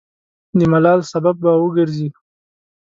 د ملال سبب به وګرځي.